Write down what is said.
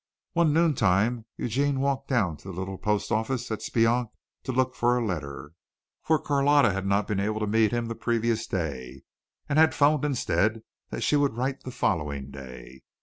One noontime Eugene walked down to the little post office at Speonk to look for a letter, for Carlotta had not been able to meet him the previous day and had phoned instead that she would write the following day.